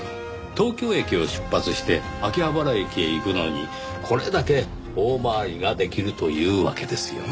東京駅を出発して秋葉原駅へ行くのにこれだけ大回りができるというわけですよ。